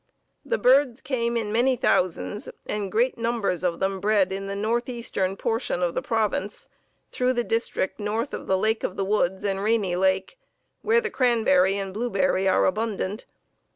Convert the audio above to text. The birds came in many thousands, and great numbers of them bred in the northeastern portion of the province through the district north of the Lake of the Woods and Rainy Lake, where the cranberry and blueberry are abundant.